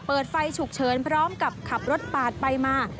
เปิดไฟฉุกเฉินพร้อมกับขับรถปาดไปมา